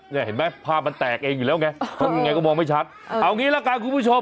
เนี่ยเห็นไหมภาพมันแตกเองอยู่แล้วไงเขาไงก็มองไม่ชัดเอาอย่างงี้แล้วกันคุณผู้ชม